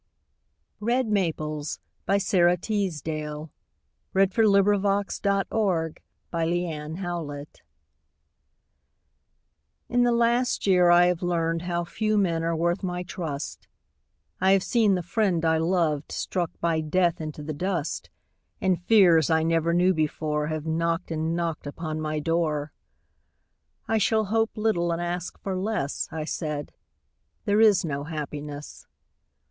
keep me from the peace of those Who are not lonely, having died. Red Maples In the last year I have learned How few men are worth my trust; I have seen the friend I loved Struck by death into the dust, And fears I never knew before Have knocked and knocked upon my door "I shall hope little and ask for less," I said, "There is no happiness."